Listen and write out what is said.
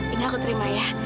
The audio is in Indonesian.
ini aku terima ya